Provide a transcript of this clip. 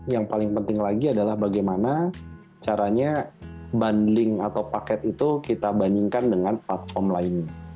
yang paling penting lagi adalah bagaimana caranya bundling atau paket itu kita bandingkan dengan platform lainnya